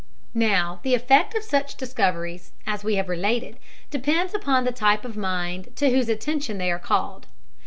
Now, the effect of such discoveries, as we have related, depends upon the type of mind to whose attention they are called.